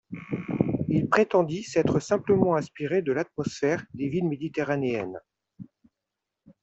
Il prétendit s'être simplement inspiré de l'atmosphère des villes méditerranéennes.